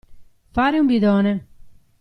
Fare un bidone.